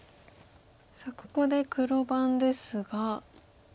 さあここで黒番ですが。